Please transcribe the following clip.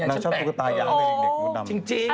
นางชอบกระตูกระตาอย่างคนเด็ก